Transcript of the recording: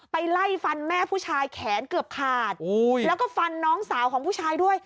ไล่ฟันแม่ผู้ชายแขนเกือบขาดแล้วก็ฟันน้องสาวของผู้ชายด้วย